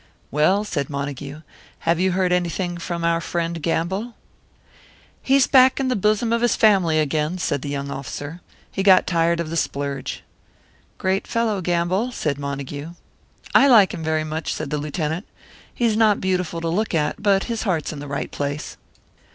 "Well," said Montague, "have you heard anything from our friend Gamble?" "He's back in the bosom of his family again," said the young officer. "He got tired of the splurge." "Great fellow, Gamble," said Montague. "I liked him very much," said the Lieutenant. "He's not beautiful to look at, but his heart's in the right place."